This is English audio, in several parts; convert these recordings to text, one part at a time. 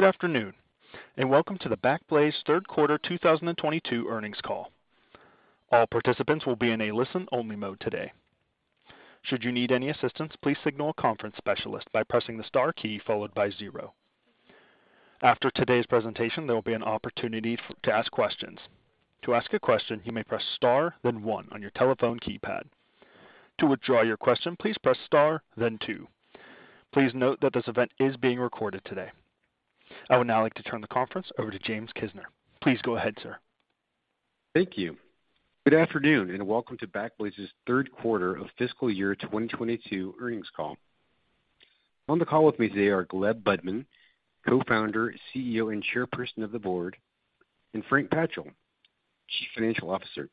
Good afternoon, and welcome to the Backblaze Third Quarter 2022 Earnings Call. All participants will be in a listen-only mode today. Should you need any assistance, please signal a conference specialist by pressing the star key followed by zero. After today's presentation, there will be an opportunity to ask questions. To ask a question, you may press star, then one on your telephone keypad. To withdraw your question, please press star, then two. Please note that this event is being recorded today. I would now like to turn the conference over to James Kisner. Please go ahead, sir. Thank you. Good afternoon, and welcome to Backblaze's Third Quarter of Fiscal Year 2022 Earnings Call. On the call with me today are Gleb Budman, Co-founder, CEO, and Chairperson of the Board, and Frank Patchel, Chief Financial Officer.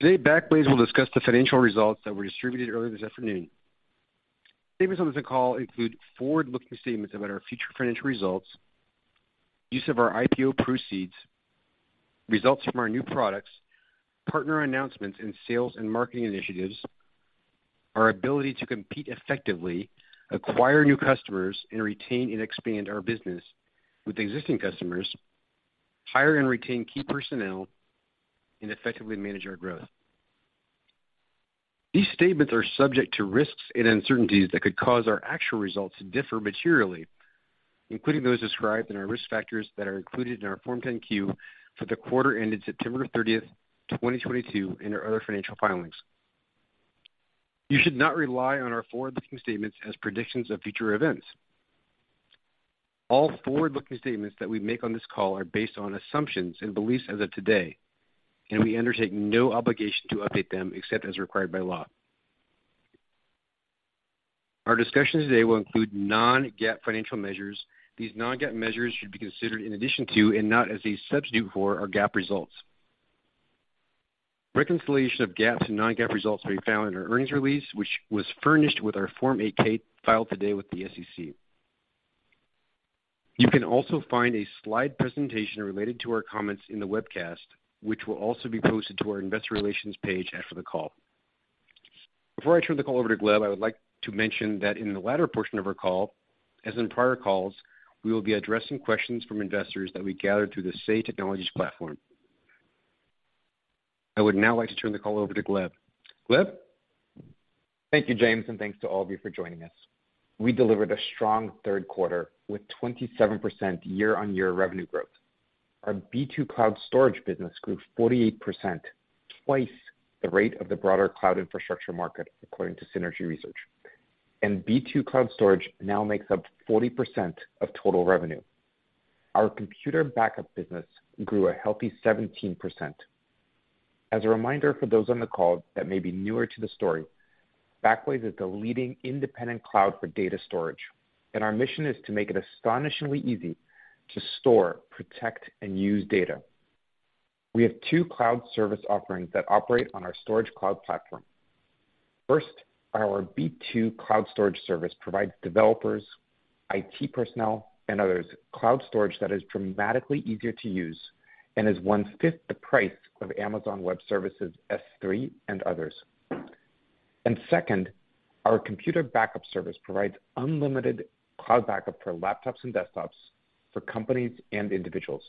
Today, Backblaze will discuss the financial results that were distributed earlier this afternoon. Statements on this call include forward-looking statements about our future financial results, use of our IPO proceeds, results from our new products, partner announcements, and sales and marketing initiatives, our ability to compete effectively, acquire new customers, and retain and expand our business with existing customers, hire and retain key personnel, and effectively manage our growth. These statements are subject to risks and uncertainties that could cause our actual results to differ materially, including those described in our risk factors that are included in our Form 10-Q for the quarter ended September 30, 2022 in our other financial filings. You should not rely on our forward-looking statements as predictions of future events. All forward-looking statements that we make on this call are based on assumptions and beliefs as of today, and we undertake no obligation to update them except as required by law. Our discussions today will include non-GAAP financial measures. These non-GAAP measures should be considered in addition to and not as a substitute for our GAAP results. Reconciliation of GAAP to non-GAAP results may be found in our earnings release, which was furnished with our Form 8-K filed today with the SEC. You can also find a slide presentation related to our comments in the webcast, which will also be posted to our investor relations page after the call. Before I turn the call over to Gleb, I would like to mention that in the latter portion of our call, as in prior calls, we will be addressing questions from investors that we gathered through the Say Technologies platform. I would now like to turn the call over to Gleb. Gleb? Thank you, James, and thanks to all of you for joining us. We delivered a strong third quarter with 27% year-on-year revenue growth. Our B2 Cloud Storage business grew 48%, twice the rate of the broader cloud infrastructure market, according to Synergy Research. B2 Cloud Storage now makes up 40% of total revenue. Our Computer Backup business grew a healthy 17%. As a reminder for those on the call that may be newer to the story, Backblaze is the leading independent cloud for data storage, and our mission is to make it astonishingly easy to store, protect, and use data. We have two cloud service offerings that operate on our storage cloud platform. First, our B2 Cloud Storage service provides developers, IT personnel, and others cloud storage that is dramatically easier to use and is one-fifth the price of Amazon Web Services S3 and others. Second, our Computer Backup service provides unlimited cloud backup for laptops and desktops for companies and individuals.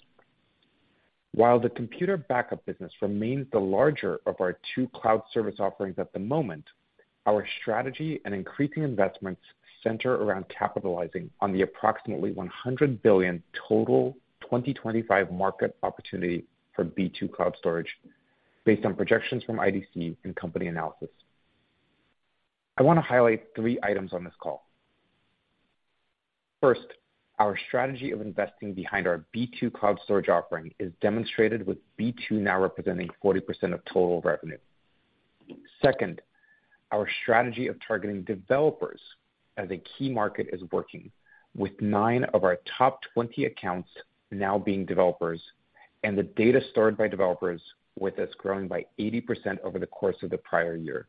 While the Computer Backup business remains the larger of our two cloud service offerings at the moment, our strategy and increasing investments center around capitalizing on the approximately $100 billion 2025 market opportunity for B2 Cloud Storage based on projections from IDC and company analysis. I wanna highlight three items on this call. First, our strategy of investing behind our B2 Cloud Storage offering is demonstrated with B2 now representing 40% of total revenue. Second, our strategy of targeting developers as a key market is working, with 9 of our top 20 accounts now being developers and the data stored by developers with us growing by 80% over the course of the prior year.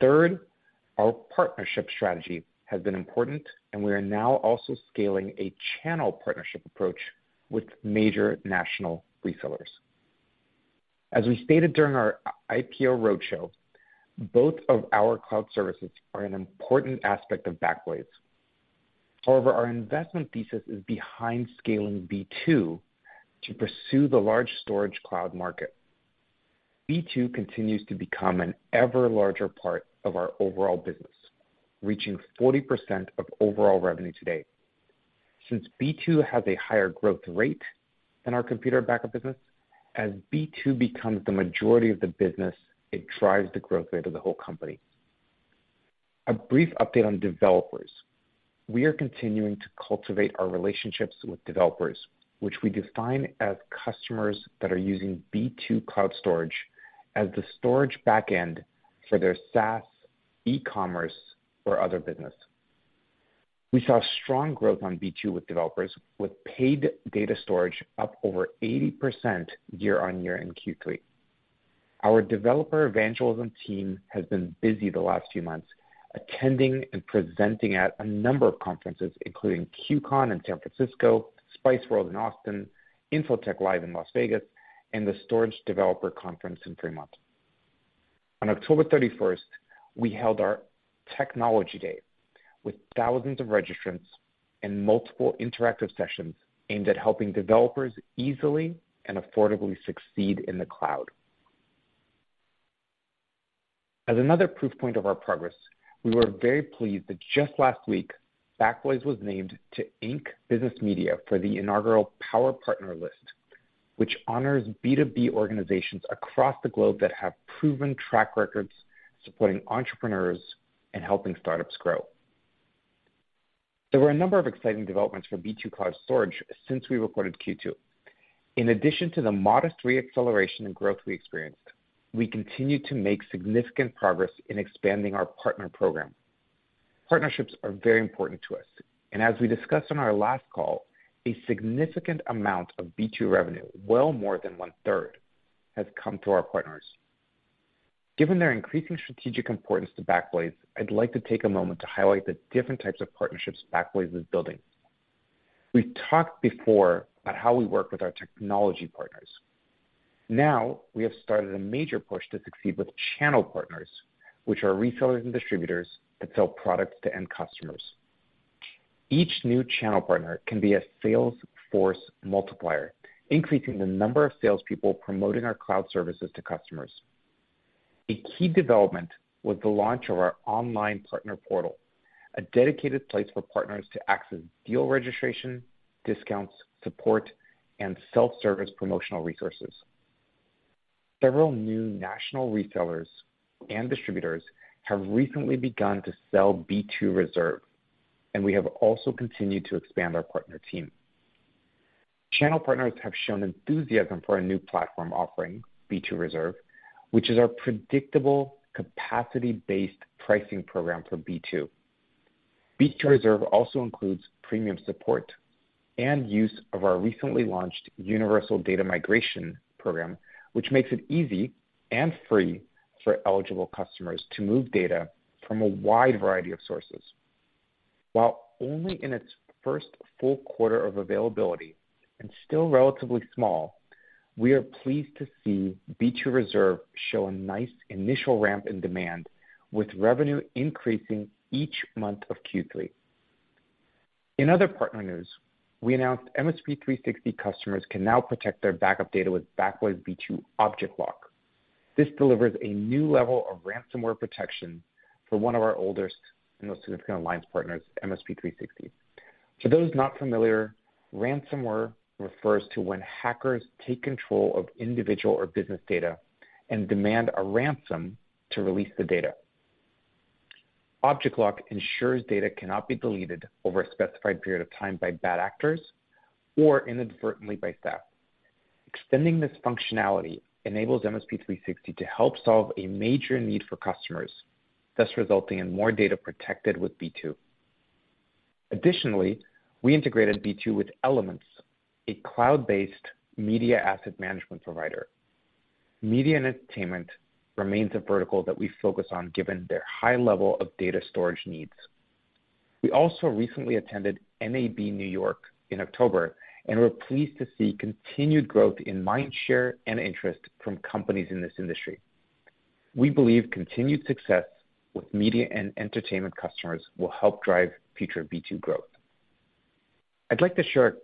Third, our partnership strategy has been important, and we are now also scaling a channel partnership approach with major national resellers. As we stated during our IPO roadshow, both of our cloud services are an important aspect of Backblaze. However, our investment thesis is behind scaling B2 to pursue the large storage cloud market. B2 continues to become an ever larger part of our overall business, reaching 40% of overall revenue today. Since B2 has a higher growth rate than our Computer Backup business, as B2 becomes the majority of the business, it drives the growth rate of the whole company. A brief update on developers. We are continuing to cultivate our relationships with developers, which we define as customers that are using B2 Cloud Storage as the storage back end for their SaaS, e-commerce, or other business. We saw strong growth on B2 with developers, with paid data storage up over 80% year-over-year in Q3. Our developer evangelism team has been busy the last few months attending and presenting at a number of conferences, including QCon in San Francisco, SpiceWorld in Austin, Info-Tech LIVE in Las Vegas, and the Storage Developer Conference in Fremont. On October 31, we held our technology day with thousands of registrants and multiple interactive sessions aimed at helping developers easily and affordably succeed in the cloud. As another proof point of our progress, we were very pleased that just last week, Backblaze was named to Inc. Business Media for the inaugural Power Partner list, which honors B2B organizations across the globe that have proven track records supporting entrepreneurs and helping startups grow. There were a number of exciting developments for B2 Cloud Storage since we reported Q2. In addition to the modest re-acceleration and growth we experienced, we continue to make significant progress in expanding our partner program. Partnerships are very important to us, and as we discussed on our last call, a significant amount of B2 revenue, well more than 1/3, has come through our partners. Given their increasing strategic importance to Backblaze, I'd like to take a moment to highlight the different types of partnerships Backblaze is building. We've talked before about how we work with our technology partners. Now we have started a major push to succeed with channel partners, which are resellers and distributors that sell products to end customers. Each new channel partner can be a sales force multiplier, increasing the number of salespeople promoting our cloud services to customers. A key development was the launch of our online partner portal, a dedicated place for partners to access deal registration, discounts, support, and self-service promotional resources. Several new national retailers and distributors have recently begun to sell B2 Reserve, and we have also continued to expand our partner team. Channel partners have shown enthusiasm for our new platform offering, B2 Reserve, which is our predictable capacity-based pricing program for B2. B2 Reserve also includes premium support and use of our recently launched universal data migration program, which makes it easy and free for eligible customers to move data from a wide variety of sources. While only in its first full quarter of availability and still relatively small, we are pleased to see B2 Reserve show a nice initial ramp in demand, with revenue increasing each month of Q3. In other partner news, we announced MSP360 customers can now protect their backup data with Backblaze B2 Object Lock. This delivers a new level of ransomware protection for one of our oldest and most significant alliance partners, MSP360. For those not familiar, ransomware refers to when hackers take control of individual or business data and demand a ransom to release the data. Object Lock ensures data cannot be deleted over a specified period of time by bad actors or inadvertently by staff. Extending this functionality enables MSP360 to help solve a major need for customers, thus resulting in more data protected with B2. Additionally, we integrated B2 with Elements, a cloud-based media asset management provider. Media and entertainment remains a vertical that we focus on given their high level of data storage needs. We also recently attended NAB Show New York in October, and we're pleased to see continued growth in mind share and interest from companies in this industry. We believe continued success with media and entertainment customers will help drive future B2 growth. I'd like to share a couple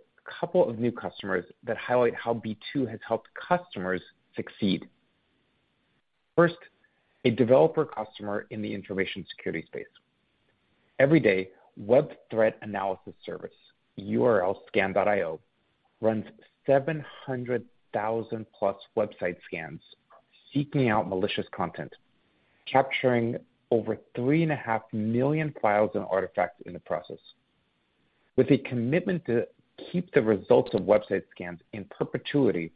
of new customers that highlight how B2 has helped customers succeed. First, a developer customer in the information security space. Every day, web threat analysis service urlscan.io runs 700,000+ website scans, seeking out malicious content, capturing over 3.5 million files and artifacts in the process. With a commitment to keep the results of website scans in perpetuity,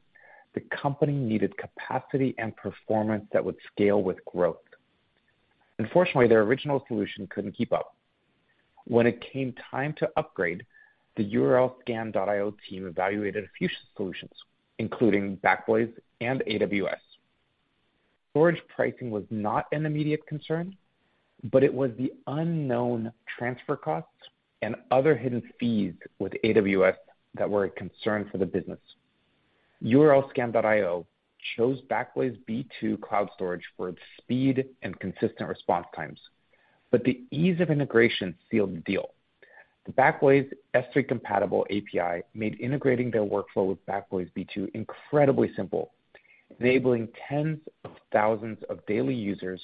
the company needed capacity and performance that would scale with growth. Unfortunately, their original solution couldn't keep up. When it came time to upgrade, the urlscan.io team evaluated a few solutions, including Backblaze and AWS. Storage pricing was not an immediate concern, but it was the unknown transfer costs and other hidden fees with AWS that were a concern for the business. urlscan.io chose Backblaze B2 Cloud Storage for its speed and consistent response times. The ease of integration sealed the deal. The Backblaze S3-compatible API made integrating their workflow with Backblaze B2 incredibly simple, enabling tens of thousands of daily users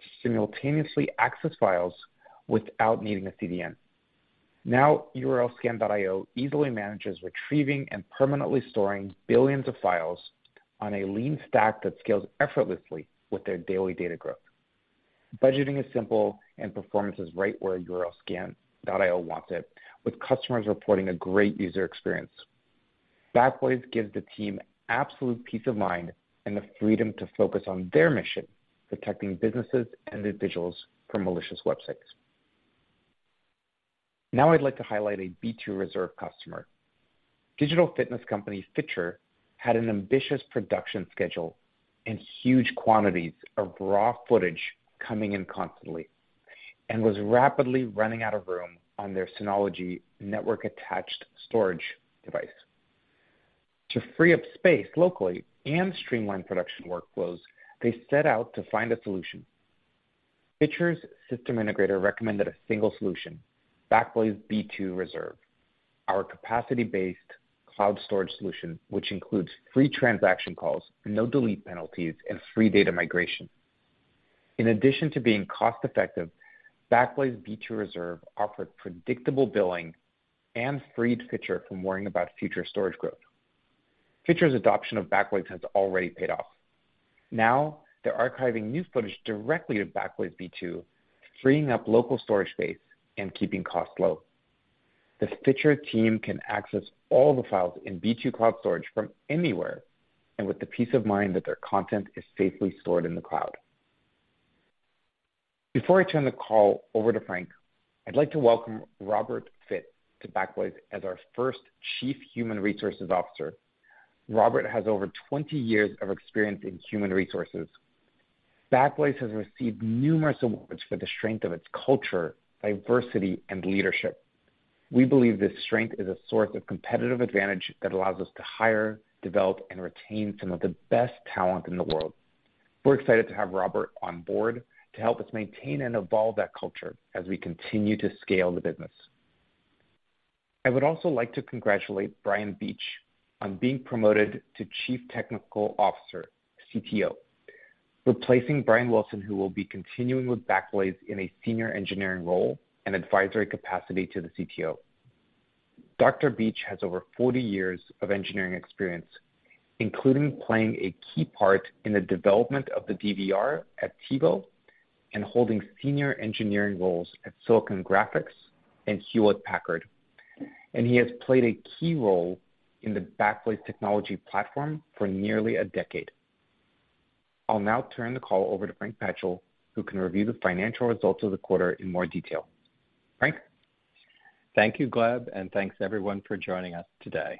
to simultaneously access files without needing a CDN. Now, urlscan.io easily manages retrieving and permanently storing billions of files on a lean stack that scales effortlessly with their daily data growth. Budgeting is simple and performance is right where urlscan.io wants it, with customers reporting a great user experience. Backblaze gives the team absolute peace of mind and the freedom to focus on their mission, protecting businesses and individuals from malicious websites. Now I'd like to highlight a B2 Reserve customer. Digital fitness company Fiture had an ambitious production schedule and huge quantities of raw footage coming in constantly and was rapidly running out of room on their Synology Network-Attached Storage device. To free up space locally and streamline production workflows, they set out to find a solution. Fiture's system integrator recommended a single solution, Backblaze B2 Reserve, our capacity-based cloud storage solution, which includes free transaction costs, no delete penalties, and free data migration. In addition to being cost-effective, Backblaze B2 Reserve offered predictable billing and freed Fiture from worrying about future storage growth. Fiture's adoption of Backblaze has already paid off. Now they're archiving new footage directly to Backblaze B2, freeing up local storage space and keeping costs low. The Fiture team can access all the files in B2 Cloud Storage from anywhere, and with the peace of mind that their content is safely stored in the cloud. Before I turn the call over to Frank, I'd like to welcome Robert Fitt to Backblaze as our first chief human resources officer. Robert has over 20 years of experience in human resources. Backblaze has received numerous awards for the strength of its culture, diversity, and leadership. We believe this strength is a source of competitive advantage that allows us to hire, develop, and retain some of the best talent in the world. We're excited to have Robert on board to help us maintain and evolve that culture as we continue to scale the business. I would also like to congratulate Brian Beach on being promoted to chief technology officer, CTO, replacing Brian Wilson, who will be continuing with Backblaze in a senior engineering role and advisory capacity to the CTO. Beach has over 40 years of engineering experience, including playing a key part in the development of the DVR at TiVo and holding senior engineering roles at Silicon Graphics and Hewlett-Packard. He has played a key role in the Backblaze technology platform for nearly a decade. I'll now turn the call over to Frank Patchel, who can review the financial results of the quarter in more detail. Frank? Thank you, Gleb, and thanks, everyone, for joining us today.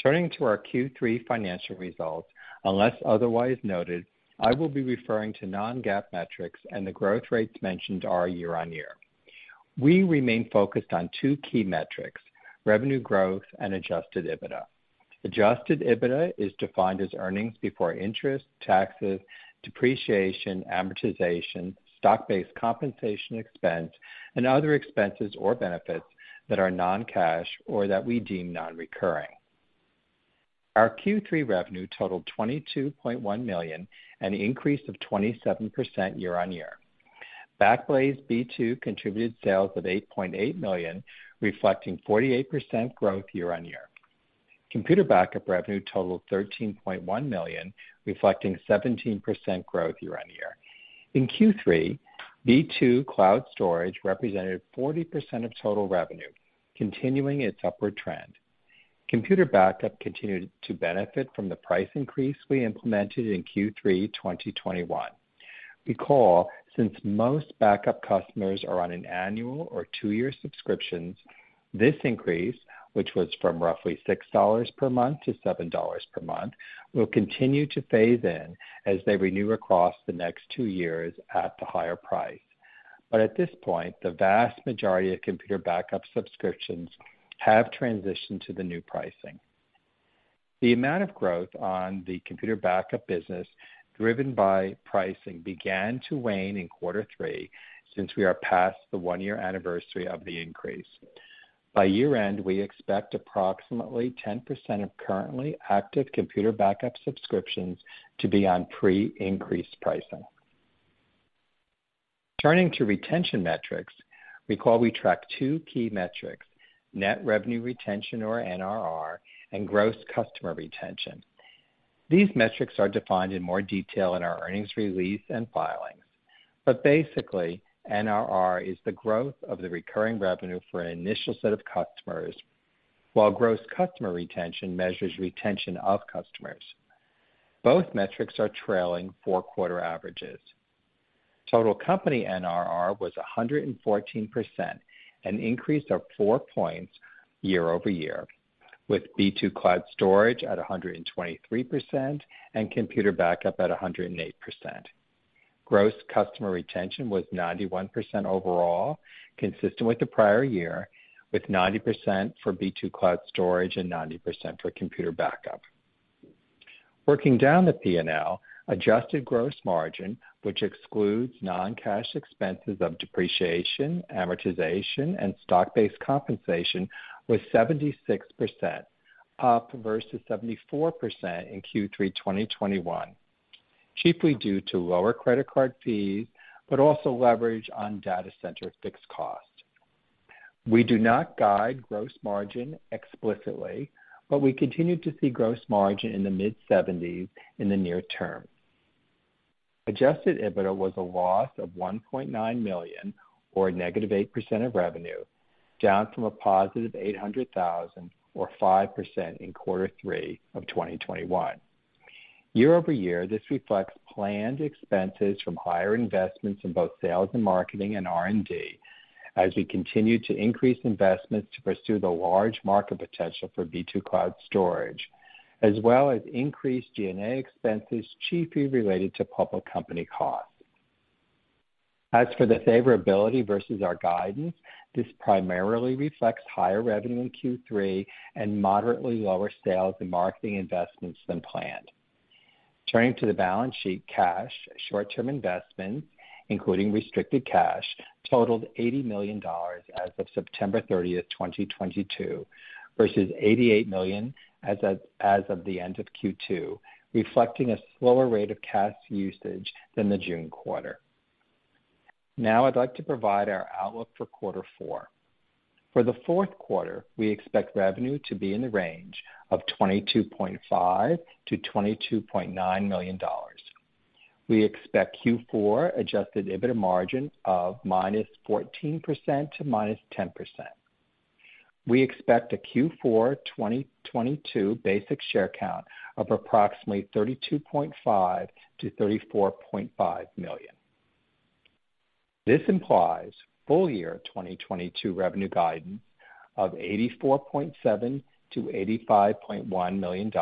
Turning to our Q3 financial results. Unless otherwise noted, I will be referring to non-GAAP metrics, and the growth rates mentioned are year-over-year. We remain focused on two key metrics, revenue growth and adjusted EBITDA. Adjusted EBITDA is defined as earnings before interest, taxes, depreciation, amortization, stock-based compensation expense, and other expenses or benefits that are non-cash or that we deem non-recurring. Our Q3 revenue totaled $22.1 million, an increase of 27% year-over-year. Backblaze B2 contributed sales of $8.8 million, reflecting 48% growth year-over-year. Computer Backup revenue totaled $13.1 million, reflecting 17% growth year-over-year. In Q3, B2 Cloud Storage represented 40% of total revenue, continuing its upward trend. Computer Backup continued to benefit from the price increase we implemented in Q3 2021. Recall, since most backup customers are on an annual or two-year subscriptions, this increase, which was from roughly $6 per month to $7 per month, will continue to phase in as they renew across the next two years at the higher price. At this point, the vast majority of Computer Backup subscriptions have transitioned to the new pricing. The amount of growth on the Computer Backup business, driven by pricing, began to wane in quarter three since we are past the one-year anniversary of the increase. By year-end, we expect approximately 10% of currently active Computer Backup subscriptions to be on pre-increase pricing. Turning to retention metrics, recall we track two key metrics, net revenue retention, or NRR, and gross customer retention. These metrics are defined in more detail in our earnings release and filings. Basically, NRR is the growth of the recurring revenue for an initial set of customers, while gross customer retention measures retention of customers. Both metrics are trailing four quarter averages. Total company NRR was 114%, an increase of four points year-over-year, with B2 Cloud Storage at 123% and Computer Backup at 108%. Gross customer retention was 91% overall, consistent with the prior year, with 90% for B2 Cloud Storage and 90% for Computer Backup. Working down the P&L, adjusted gross margin, which excludes non-cash expenses of depreciation, amortization, and stock-based compensation, was 76%, up versus 74% in Q3 2021, chiefly due to lower credit card fees but also leverage on data center fixed cost. We do not guide gross margin explicitly, but we continue to see gross margin in the mid-70s in the near term. Adjusted EBITDA was a loss of $1.9 million, or a -8% of revenue, down from a positive $800,000 or 5% in Q3 2021. Year-over-year, this reflects planned expenses from higher investments in both sales and marketing and R&D as we continue to increase investments to pursue the large market potential for B2 Cloud Storage, as well as increased G&A expenses chiefly related to public company costs. As for the favorability versus our guidance, this primarily reflects higher revenue in Q3 and moderately lower sales and marketing investments than planned. Turning to the balance sheet, cash, short-term investment, including restricted cash, totaled $80 million as of September 30, 2022, versus $88 million as of the end of Q2, reflecting a slower rate of cash usage than the June quarter. Now I'd like to provide our outlook for quarter four. For the fourth quarter, we expect revenue to be in the range of $22.5 million-$22.9 million. We expect Q4 adjusted EBITDA margin of -14% to -10%. We expect a Q4 2022 basic share count of approximately 32.5 million-34.5 million. This implies full year 2022 revenue guidance of $84.7 million-$85.1 million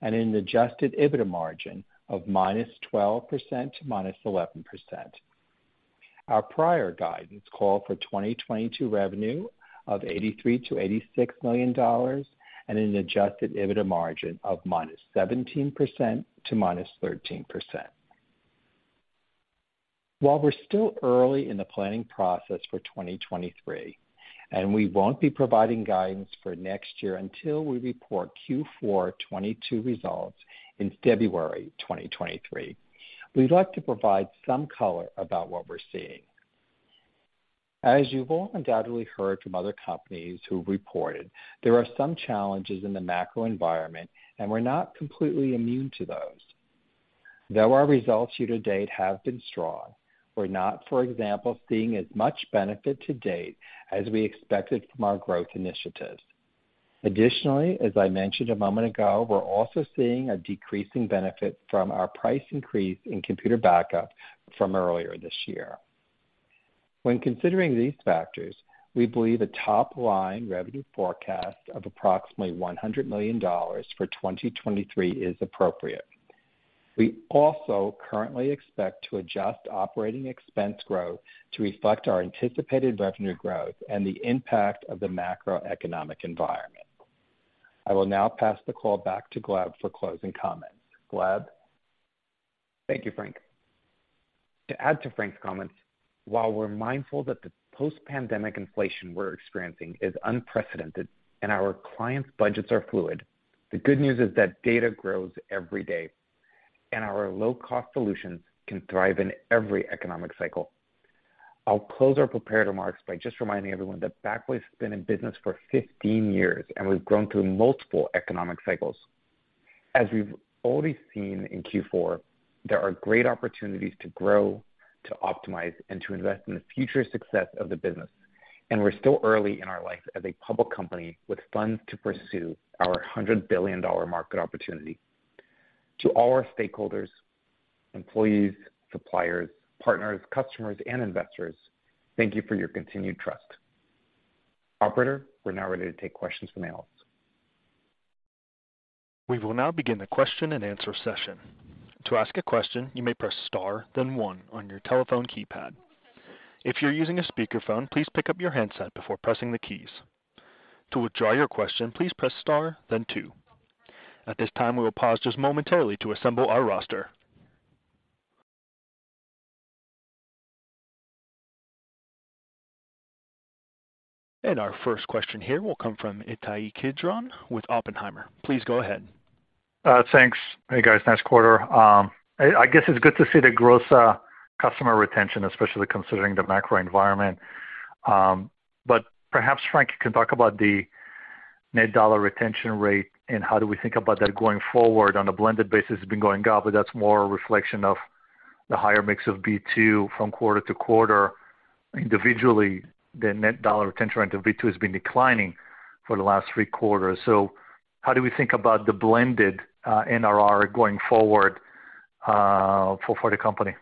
and an adjusted EBITDA margin of -12% to -11%. Our prior guidance called for 2022 revenue of $83 million-$86 million and an adjusted EBITDA margin of -17% to -13%. While we're still early in the planning process for 2023, and we won't be providing guidance for next year until we report Q4 2022 results in February 2023, we'd like to provide some color about what we're seeing. As you've all undoubtedly heard from other companies who reported, there are some challenges in the macro environment, and we're not completely immune to those. Though our results year to date have been strong, we're not, for example, seeing as much benefit to date as we expected from our growth initiatives. Additionally, as I mentioned a moment ago, we're also seeing a decreasing benefit from our price increase in Computer Backup from earlier this year. When considering these factors, we believe a top-line revenue forecast of approximately $100 million for 2023 is appropriate. We also currently expect to adjust operating expense growth to reflect our anticipated revenue growth and the impact of the macroeconomic environment. I will now pass the call back to Gleb for closing comments. Gleb? Thank you, Frank. To add to Frank's comments, while we're mindful that the post-pandemic inflation we're experiencing is unprecedented and our clients' budgets are fluid, the good news is that data grows every day, and our low-cost solutions can thrive in every economic cycle. I'll close our prepared remarks by just reminding everyone that Backblaze has been in business for 15 years, and we've grown through multiple economic cycles. As we've already seen in Q4, there are great opportunities to grow, to optimize, and to invest in the future success of the business. We're still early in our life as a public company with funds to pursue our $100 billion market opportunity. To all our stakeholders, employees, suppliers, partners, customers, and investors, thank you for your continued trust. Operator, we're now ready to take questions from analysts. We will now begin the question and answer session. To ask a question, you may press star, then one on your telephone keypad. If you're using a speakerphone, please pick up your handset before pressing the keys. To withdraw your question, please press star then two. At this time, we will pause just momentarily to assemble our roster. Our first question here will come from Ittai Kidron with Oppenheimer. Please go ahead. Thanks. Hey, guys, nice quarter. I guess it's good to see the gross customer retention, especially considering the macro environment. Perhaps Frank can talk about the net dollar retention rate, and how do we think about that going forward. On a blended basis, it's been going up, but that's more a reflection of the higher mix of B2 from quarter to quarter. Individually, the net dollar retention rate of B2 has been declining for the last three quarters. How do we think about the blended NRR going forward for the company?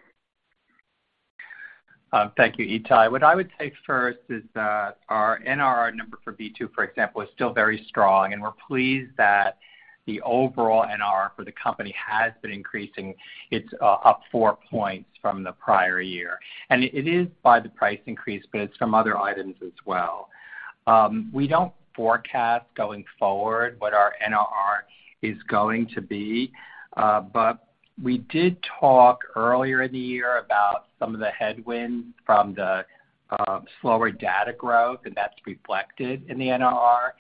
Thank you, Ittai. What I would say first is that our NRR number for B2, for example, is still very strong, and we're pleased that the overall NRR for the company has been increasing. It's up 4 points from the prior year. It is due to the price increase, but it's from other items as well. We don't forecast going forward what our NRR is going to be, but we did talk earlier in the year about some of the headwinds from the slower data growth, and that's reflected in the NRR.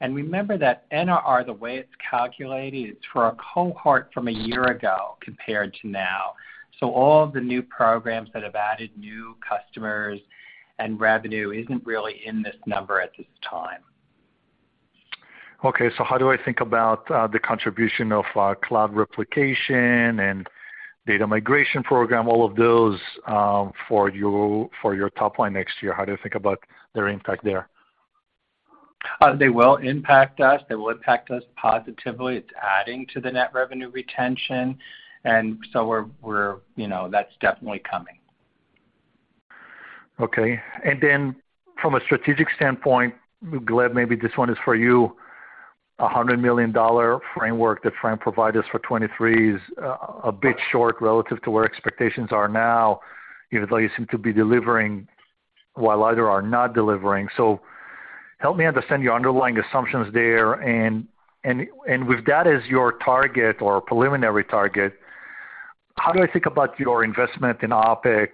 Remember that NRR, the way it's calculated, it's for a cohort from a year ago compared to now. All the new programs that have added new customers and revenue isn't really in this number at this time. Okay. How do I think about the contribution of cloud replication and data migration program, all of those, for your top line next year? How do you think about their impact there? They will impact us positively. It's adding to the net revenue retention. You know, that's definitely coming. Okay. Then from a strategic standpoint, Gleb, maybe this one is for you. $100 million framework that Frank provided us for 2023 is a bit short relative to where expectations are now, even though you seem to be delivering while either are not delivering. Help me understand your underlying assumptions there. With that as your target or preliminary target, how do I think about your investment in OpEx?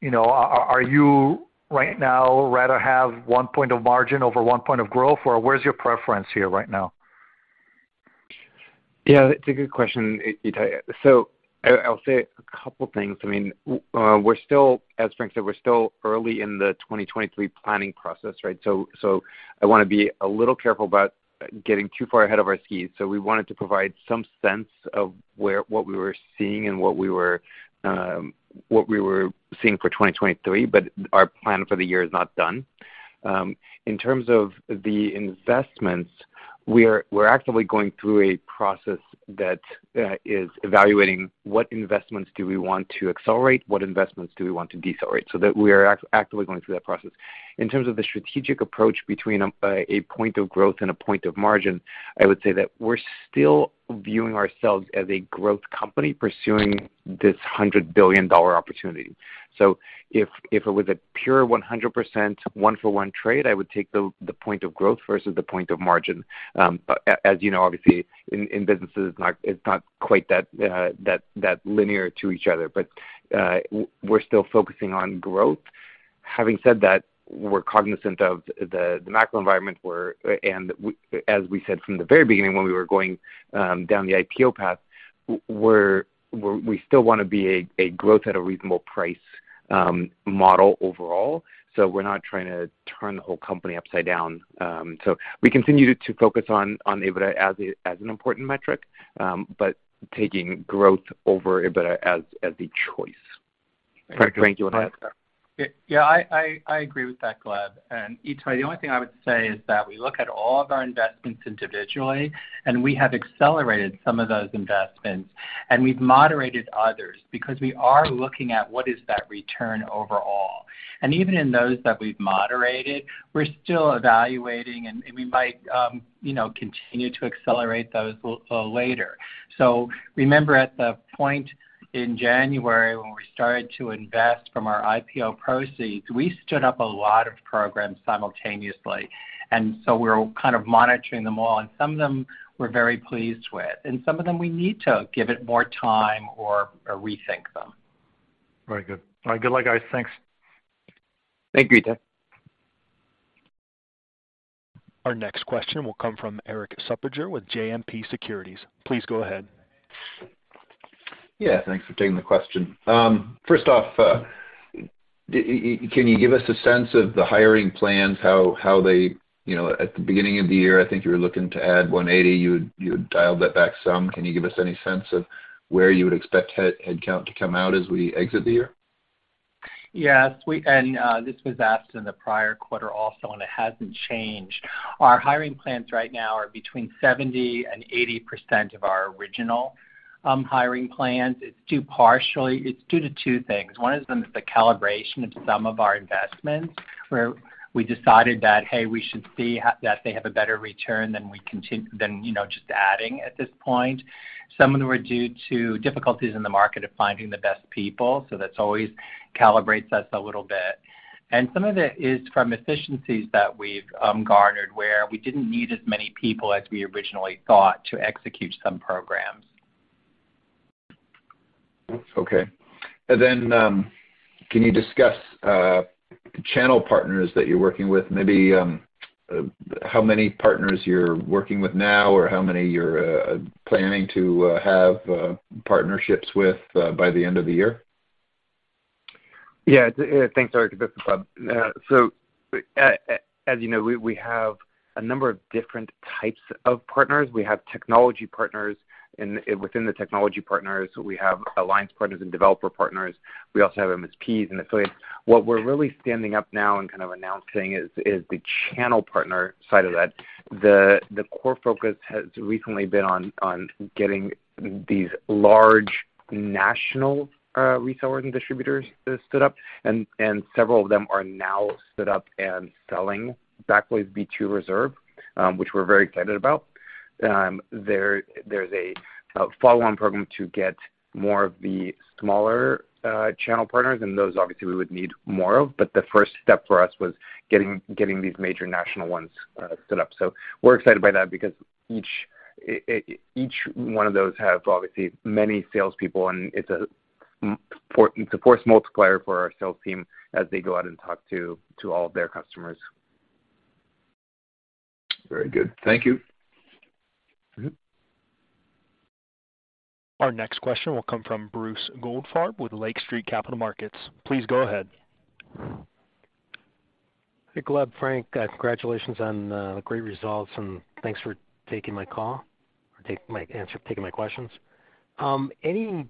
You know, are you right now rather have 1 point of margin over 1 point of growth, or where's your preference here right now? Yeah, it's a good question, Ittai. I'll say a couple things. I mean, we're still, as Frank said, we're still early in the 2023 planning process, right? I wanna be a little careful about getting too far ahead of our skis. We wanted to provide some sense of what we were seeing for 2023, but our plan for the year is not done. In terms of the investments, we're actively going through a process that is evaluating what investments do we want to accelerate, what investments do we want to decelerate, so that we are actively going through that process. In terms of the strategic approach between a point of growth and a point of margin, I would say that we're still viewing ourselves as a growth company pursuing this $100 billion opportunity. If it was a pure 100% one-for-one trade, I would take the point of growth versus the point of margin. As you know, obviously in businesses, it's not quite that linear to each other. We're still focusing on growth. Having said that, we're cognizant of the macro environment. As we said from the very beginning when we were going down the IPO path, we still wanna be a growth at a reasonable price model overall. We're not trying to turn the whole company upside down. We continue to focus on EBITDA as an important metric, but taking growth over EBITDA as the choice. Frank, you wanna add? Yeah, I agree with that, Gleb. Ittai, the only thing I would say is that we look at all of our investments individually, and we have accelerated some of those investments, and we've moderated others because we are looking at what is that return overall. Even in those that we've moderated, we're still evaluating and we might, you know, continue to accelerate those later. Remember at the point in January when we started to invest from our IPO proceeds, we stood up a lot of programs simultaneously. We're kind of monitoring them all, and some of them we're very pleased with, and some of them we need to give it more time or rethink them. Very good. All right. Good luck, guys. Thanks. Thank you, Ittai. Our next question will come from Erik Suppiger with JMP Securities. Please go ahead. Yeah, thanks for taking the question. First off, can you give us a sense of the hiring plans? You know, at the beginning of the year, I think you were looking to add 180. You had dialed that back some. Can you give us any sense of where you would expect headcount to come out as we exit the year? Yes. This was asked in the prior quarter also, and it hasn't changed. Our hiring plans right now are between 70% and 80% of our original hiring plans. It's due partially. It's due to two things. One of them is the calibration of some of our investments, where we decided that, hey, we should see that they have a better return than, you know, just adding at this point. Some of them were due to difficulties in the market of finding the best people, so that's always calibrates us a little bit. Some of it is from efficiencies that we've garnered, where we didn't need as many people as we originally thought to execute some programs. Okay. Can you discuss channel partners that you're working with? Maybe, how many partners you're working with now, or how many you're planning to have partnerships with by the end of the year? Yeah. Thanks, Erik. This is Gleb. So, as you know, we have a number of different types of partners. We have technology partners, and within the technology partners, we have alliance partners and developer partners. We also have MSPs and affiliates. What we're really standing up now and kind of announcing is the channel partner side of that. The core focus has recently been on getting these large national resellers and distributors stood up, and several of them are now stood up and selling Backblaze B2 Reserve, which we're very excited about. There's a follow-on program to get more of the smaller channel partners, and those obviously we would need more of, but the first step for us was getting these major national ones stood up. We're excited by that because each one of those have obviously many salespeople, and it's a force multiplier for our sales team as they go out and talk to all of their customers. Very good. Thank you. Mm-hmm. Our next question will come from Bruce Goldfarb with Lake Street Capital Markets. Please go ahead. Hey, Gleb, Frank. Congratulations on the great results, and thanks for taking my questions. Any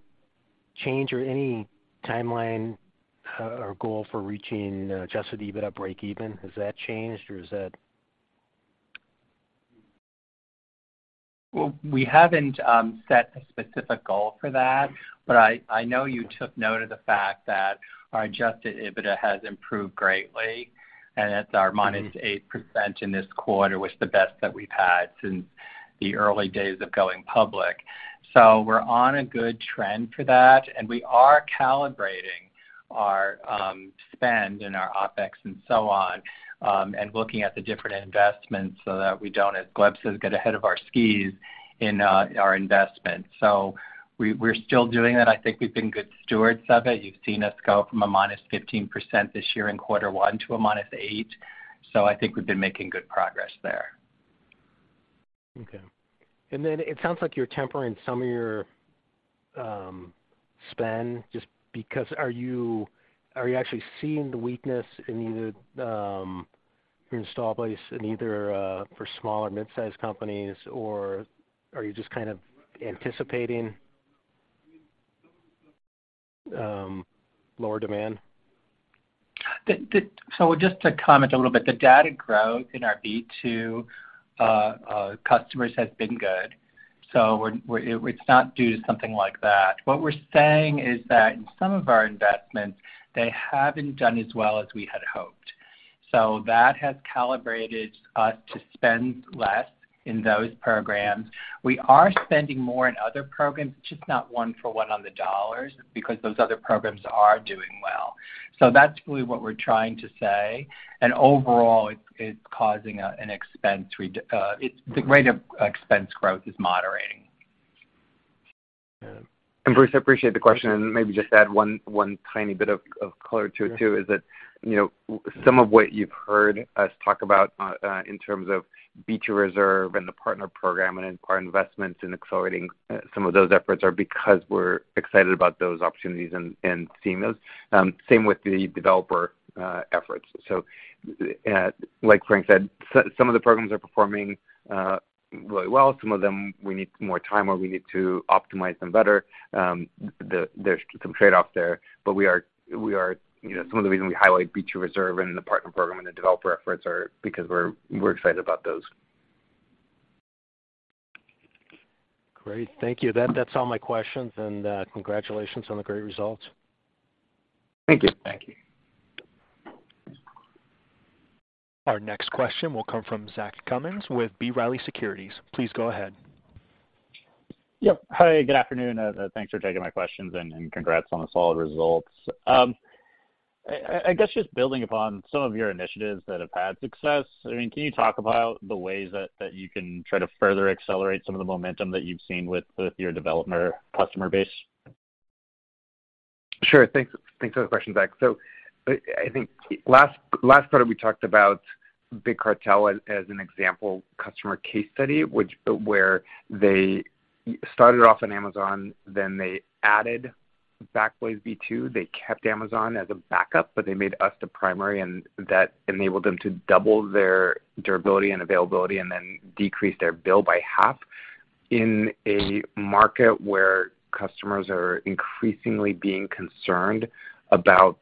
change or any timeline or goal for reaching adjusted EBITDA breakeven? Has that changed, or is that Well, we haven't set a specific goal for that, but I know you took note of the fact that our adjusted EBITDA has improved greatly, and its -8% in this quarter was the best that we've had since the early days of going public. We're on a good trend for that, and we are calibrating our spend and our OpEx and so on, and looking at the different investments so that we don't, as Gleb says, get ahead of our skis in our investments. We're still doing that. I think we've been good stewards of it. You've seen us go from a -15% this year in quarter one to a -8%. I think we've been making good progress there. Okay. It sounds like you're tempering some of your spend just because. Are you actually seeing the weakness in either your installed base in either for small or mid-sized companies, or are you just kind of anticipating lower demand? Just to comment a little bit, the data growth in our B2 customers has been good. It's not due to something like that. What we're saying is that in some of our investments, they haven't done as well as we had hoped. That has calibrated us to spend less in those programs. We are spending more in other programs, just not one for one on the dollars because those other programs are doing well. That's really what we're trying to say. Overall, it's the rate of expense growth is moderating. Yeah. Bruce, I appreciate the question, and maybe just add one tiny bit of color to it, too, is that, you know, some of what you've heard us talk about in terms of B2 Reserve and the partner program and our investments in accelerating some of those efforts are because we're excited about those opportunities and seeing those. Same with the developer efforts. Like Frank said, some of the programs are performing really well. Some of them we need more time or we need to optimize them better. There's some trade-off there, but we are, you know, some of the reason we highlight B2 Reserve and the partner program and the developer efforts are because we're excited about those. Great. Thank you. That's all my questions, and congratulations on the great results. Thank you. Thank you. Our next question will come from Zachary Cummins with B. Riley Securities. Please go ahead. Yep. Hi, good afternoon. Thanks for taking my questions and congrats on the solid results. I guess just building upon some of your initiatives that have had success, I mean, can you talk about the ways that you can try to further accelerate some of the momentum that you've seen with your developer customer base? Sure. Thanks. Thanks for the question, Zach. So I think last quarter, we talked about Big Cartel as an example customer case study, which they started off on Amazon, then they added Backblaze B2. They kept Amazon as a backup, but they made us the primary, and that enabled them to double their durability and availability and then decrease their bill by half. In a market where customers are increasingly being concerned about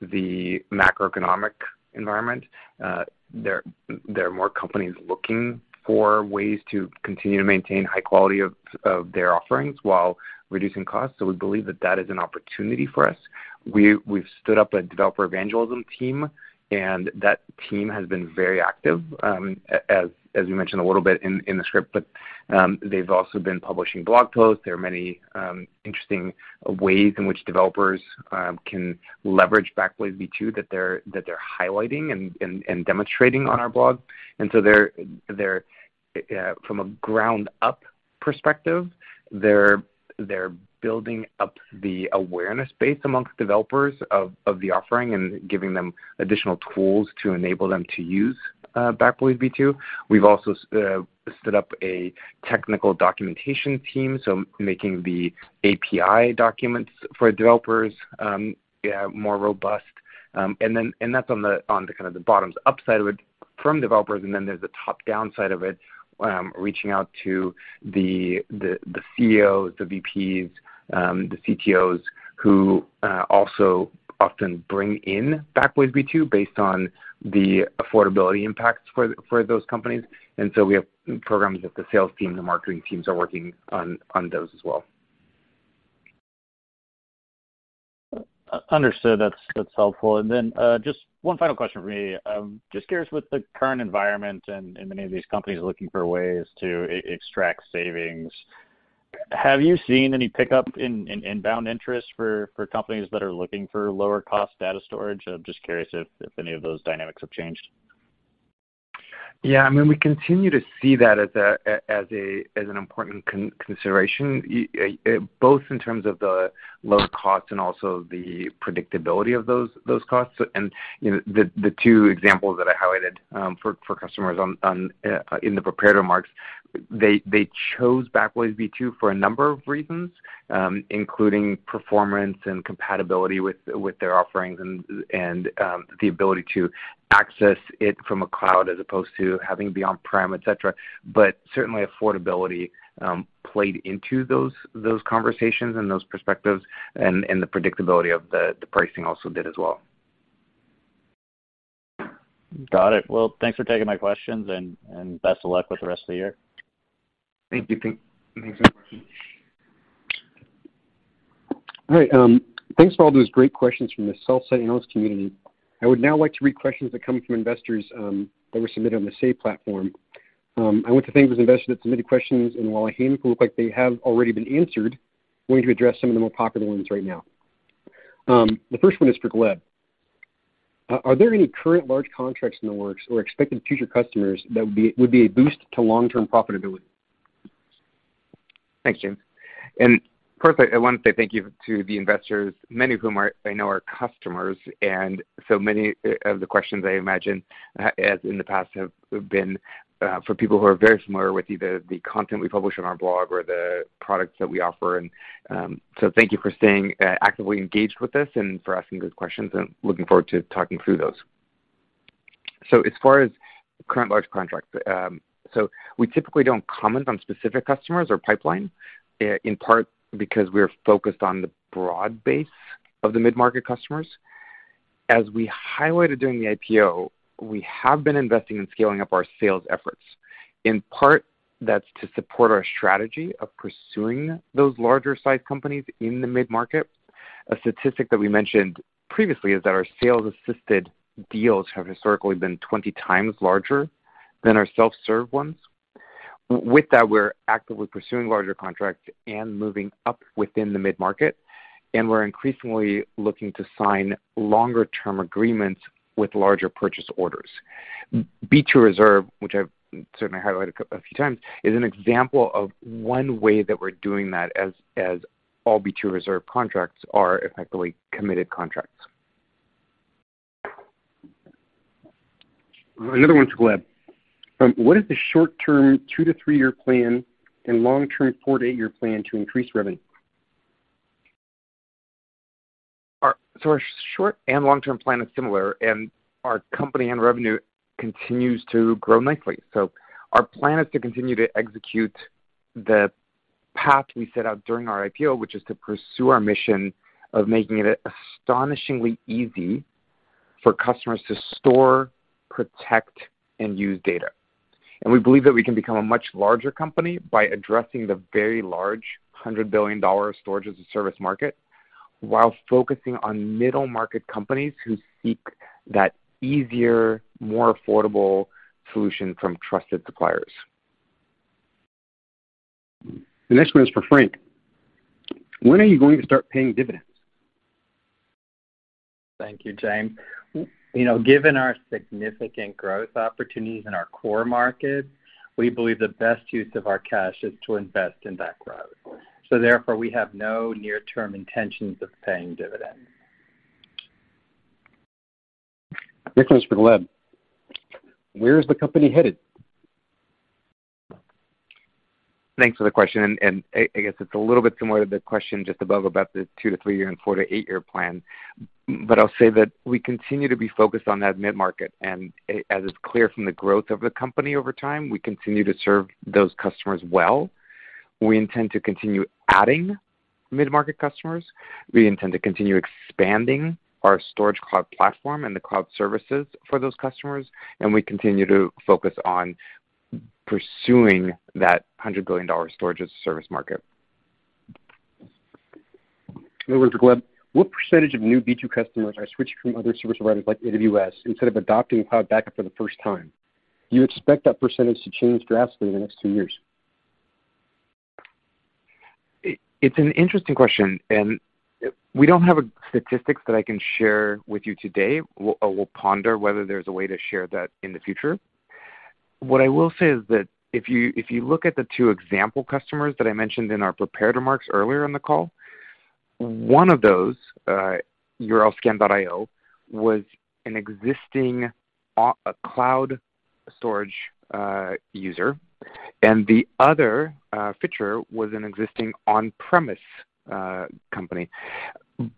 the macroeconomic environment, there are more companies looking for ways to continue to maintain high quality of their offerings while reducing costs, so we believe that is an opportunity for us. We've stood up a developer evangelism team, and that team has been very active, as we mentioned a little bit in the script, but they've also been publishing blog posts. There are many interesting ways in which developers can leverage Backblaze B2 that they're highlighting and demonstrating on our blog. They're from a ground-up perspective building up the awareness base among developers of the offering and giving them additional tools to enable them to use Backblaze B2. We've also stood up a technical documentation team, so making the API documents for developers more robust. That's on the kind of the bottoms-up side of it from developers, and then there's a top-down side of it, reaching out to the CEOs, the VPs, the CTOs who also often bring in Backblaze B2 based on the affordability impacts for those companies. We have programs that the sales team, the marketing teams are working on those as well. Understood. That's helpful. Just one final question for me. Just curious with the current environment and many of these companies looking for ways to extract savings, have you seen any pickup in inbound interest for companies that are looking for lower cost data storage? I'm just curious if any of those dynamics have changed. Yeah. I mean, we continue to see that as an important consideration both in terms of the low cost and also the predictability of those costs. You know, the two examples that I highlighted for customers in the prepared remarks, they chose Backblaze B2 for a number of reasons, including performance and compatibility with their offerings and the ability to access it from a cloud as opposed to having it be on-prem, et cetera. Certainly affordability played into those conversations and those perspectives and the predictability of the pricing also did as well. Got it. Well, thanks for taking my questions and best of luck with the rest of the year. Thank you. Thanks very much. All right, thanks for all those great questions from the sell-side analyst community. I would now like to read questions that come from investors, that were submitted on the Say platform. I want to thank those investors that submitted questions, and while a handful look like they have already been answered, I'm going to address some of the more popular ones right now. The first one is for Gleb. Are there any current large contracts in the works or expected future customers that would be a boost to long-term profitability? Thanks, James. First I want to say thank you to the investors, many of whom are, I know, customers, and so many of the questions I imagine, as in the past, have been from people who are very familiar with either the content we publish on our blog or the products that we offer. Thank you for staying actively engaged with us and for asking those questions, and looking forward to talking through those. As far as current large contracts. We typically don't comment on specific customers or pipeline in part because we're focused on the broad base of the mid-market customers. As we highlighted during the IPO, we have been investing in scaling up our sales efforts. In part, that's to support our strategy of pursuing those larger sized companies in the mid-market. A statistic that we mentioned previously is that our sales assisted deals have historically been 20 times larger than our self-serve ones. With that, we're actively pursuing larger contracts and moving up within the mid-market, and we're increasingly looking to sign longer term agreements with larger purchase orders. B2 Reserve, which I've certainly highlighted a few times, is an example of one way that we're doing that as all B2 Reserve contracts are effectively committed contracts. Another one to Gleb. What is the short-term 2- to 3-year plan and long-term 4- to 8-year plan to increase revenue? Our short and long-term plan is similar, and our company and revenue continues to grow nicely. Our plan is to continue to execute the path we set out during our IPO, which is to pursue our mission of making it astonishingly easy for customers to store, protect, and use data. We believe that we can become a much larger company by addressing the very large $100 billion storage as a service market while focusing on middle market companies who seek that easier, more affordable solution from trusted suppliers. The next one is for Frank. When are you going to start paying dividends? Thank you, James. You know, given our significant growth opportunities in our core market, we believe the best use of our cash is to invest in that growth. Therefore, we have no near-term intentions of paying dividends. This one is for Gleb. Where is the company headed? Thanks for the question. I guess it's a little bit similar to the question just above about the 2-3-year and 4-8-year plan. I'll say that we continue to be focused on that mid-market. As is clear from the growth of the company over time, we continue to serve those customers well. We intend to continue adding mid-market customers. We intend to continue expanding our storage cloud platform and the cloud services for those customers, and we continue to focus on pursuing that $100 billion storage as a service market. Another one to Gleb. What percentage of new B2 customers are switching from other service providers like AWS instead of adopting cloud backup for the first time? Do you expect that percentage to change drastically in the next two years? It's an interesting question, and we don't have statistics that I can share with you today. We'll ponder whether there's a way to share that in the future. What I will say is that if you look at the two example customers that I mentioned in our prepared remarks earlier in the call, one of those, urlscan.io, was an existing cloud storage user, and the other, Fiture, was an existing on-premise company. In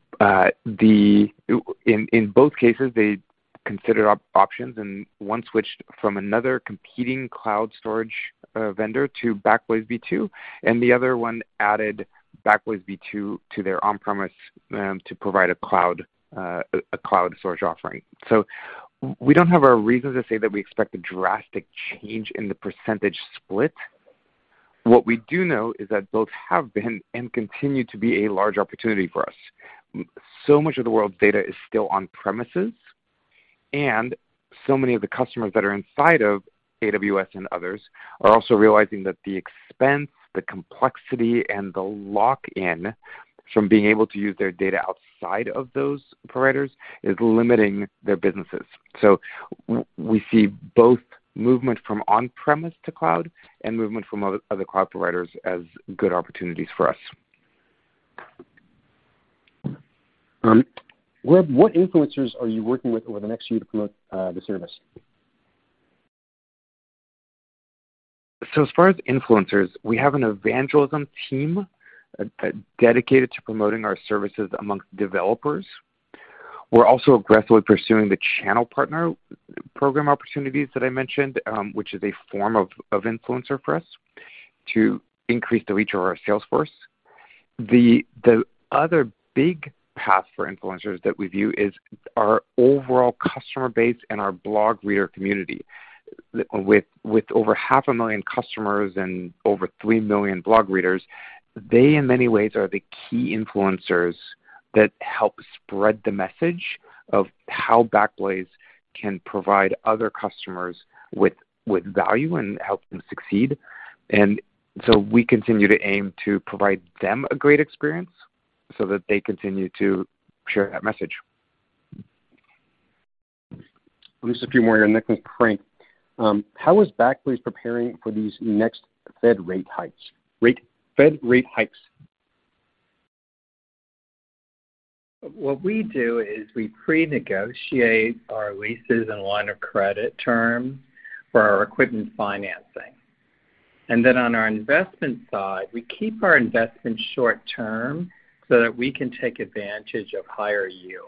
both cases, they considered options, and one switched from another competing cloud storage vendor to Backblaze B2, and the other one added Backblaze B2 to their on-premise to provide a cloud storage offering. We don't have a reason to say that we expect a drastic change in the percentage split. What we do know is that both have been and continue to be a large opportunity for us. Much of the world's data is still on-premises, and so many of the customers that are inside of AWS and others are also realizing that the expense, the complexity, and the lock-in from being able to use their data outside of those providers is limiting their businesses. We see both movement from on-premises to cloud and movement from other cloud providers as good opportunities for us. Gleb, what influencers are you working with over the next year to promote the service? As far as influencers, we have an evangelism team dedicated to promoting our services among developers. We're also aggressively pursuing the channel partner program opportunities that I mentioned, which is a form of influencer for us to increase the reach of our sales force. The other big path for influencers that we view is our overall customer base and our blog reader community. With over half a million customers and over 3 million blog readers, they in many ways are the key influencers that help spread the message of how Backblaze can provide other customers with value and help them succeed. We continue to aim to provide them a great experience so that they continue to share that message. Just a few more here. The next one's Frank. How is Backblaze preparing for these next Fed rate hikes? What we do is we pre-negotiate our leases and line of credit terms for our equipment financing. On our investment side, we keep our investments short-term so that we can take advantage of higher yield.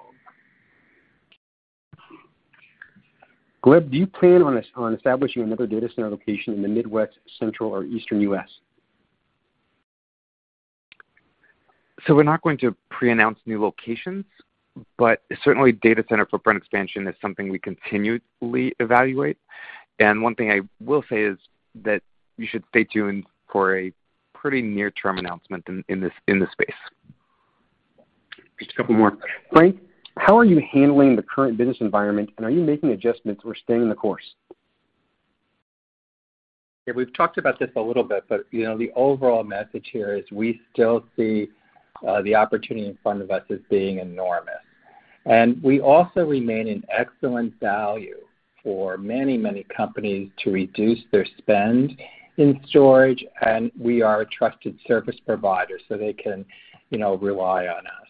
Gleb, do you plan on establishing another data center location in the Midwest, Central, or Eastern US? We're not going to pre-announce new locations, but certainly data center footprint expansion is something we continually evaluate. One thing I will say is that you should stay tuned for a pretty near-term announcement in this space. Just a couple more. Frank, how are you handling the current business environment, and are you making adjustments or staying the course? Yeah, we've talked about this a little bit, but, you know, the overall message here is we still see the opportunity in front of us as being enormous. We also remain an excellent value for many, many companies to reduce their spend in storage, and we are a trusted service provider, so they can, you know, rely on us.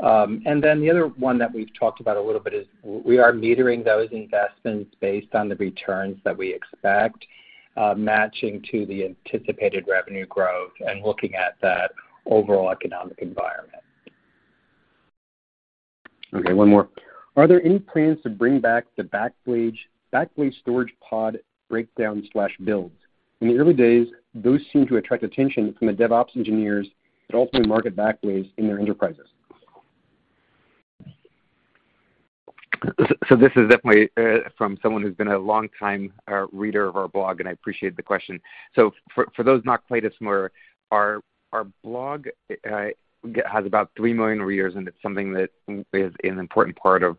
The other one that we've talked about a little bit is we are metering those investments based on the returns that we expect, matching to the anticipated revenue growth and looking at that overall economic environment. Okay, one more. Are there any plans to bring back the Backblaze Storage Pod breakdown/builds? In the early days, those seemed to attract attention from the DevOps engineers that ultimately marketed Backblaze in their enterprises. This is definitely from someone who's been a long-time reader of our blog, and I appreciate the question. For those not quite as familiar, our blog has about 3 million readers, and it's something that is an important part of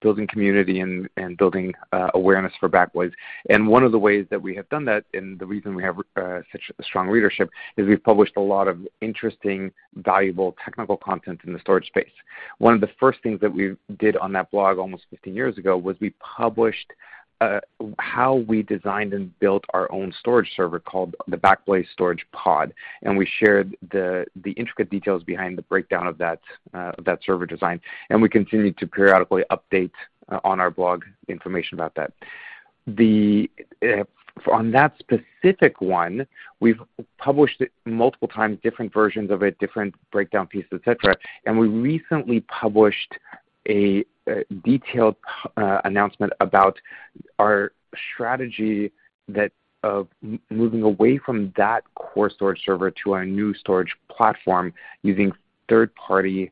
building community and building awareness for Backblaze. One of the ways that we have done that, and the reason we have such a strong readership, is we've published a lot of interesting, valuable technical content in the storage space. One of the first things that we did on that blog almost 15 years ago was we published how we designed and built our own storage server called the Backblaze Storage Pod, and we shared the intricate details behind the breakdown of that server design, and we continue to periodically update on our blog information about that. On that specific one, we've published it multiple times, different versions of it, different breakdown pieces, et cetera, and we recently published a detailed announcement about our strategy of moving away from that core storage server to our new storage platform using third-party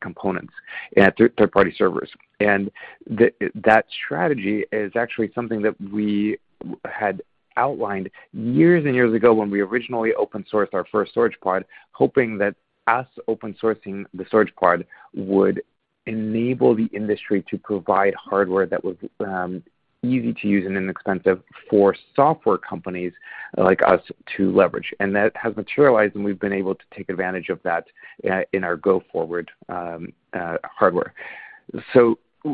components and third-party servers. That strategy is actually something that we had outlined years and years ago when we originally open sourced our first storage pod, hoping that us open sourcing the storage pod would enable the industry to provide hardware that was easy to use and inexpensive for software companies like us to leverage. That has materialized, and we've been able to take advantage of that in our go forward hardware.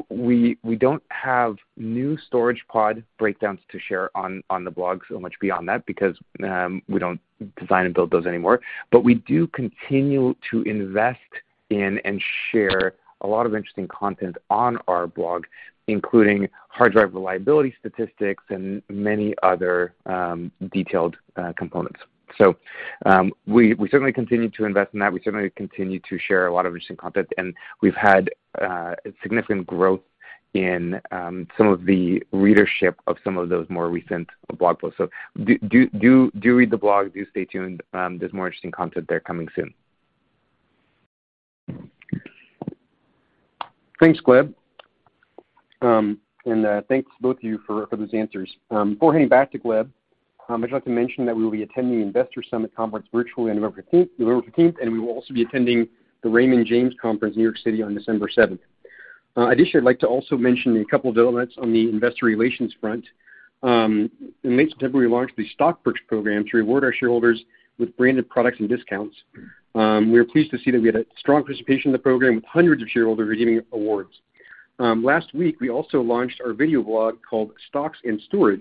We don't have new storage pod breakdowns to share on the blog so much beyond that because we don't design and build those anymore. We do continue to invest in and share a lot of interesting content on our blog, including hard drive reliability statistics and many other detailed components. We certainly continue to invest in that. We certainly continue to share a lot of interesting content, and we've had significant growth in some of the readership of some of those more recent blog posts. Do read the blog. Do stay tuned. There's more interesting content there coming soon. Thanks, Gleb. Thanks to both of you for those answers. Before handing back to Gleb, I'd like to mention that we will be attending the Investor Summit Conference virtually on November fifteenth, and we will also be attending the Raymond James Conference in New York City on December seventh. Additionally, I'd like to also mention a couple of developments on the investor relations front. In late September, we launched the Stock Purchase program to reward our shareholders with branded products and discounts. We are pleased to see that we had a strong participation in the program, with hundreds of shareholders receiving awards. Last week, we also launched our video blog called Stocks and Storage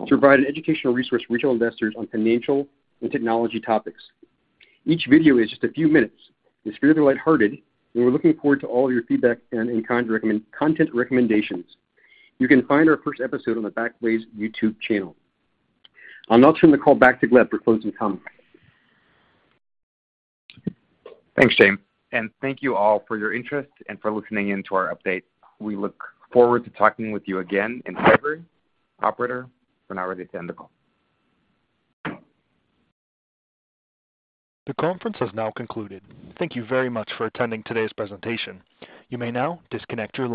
to provide an educational resource for retail investors on financial and technology topics. Each video is just a few minutes. The spirit is light-hearted, and we're looking forward to all your feedback and content recommendations. You can find our first episode on the Backblaze YouTube channel. I'll now turn the call back to Gleb for closing comments. Thanks, James, and thank you all for your interest and for listening in to our update. We look forward to talking with you again in February. Operator, we're now ready to end the call. The conference is now concluded. Thank you very much for attending today's presentation. You may now disconnect your line.